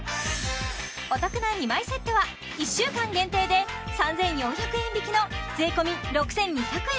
お得な２枚セットは１週間限定で３４００円引きの税込６２００円